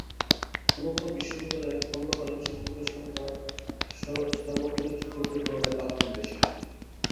কোনো কোনো বিশ্ববিদ্যালয়ে খণ্ডকালীন শিক্ষকের সংখ্যা সার্বক্ষণিক শিক্ষকদের তুলনায় পাঁচ গুণ বেশি।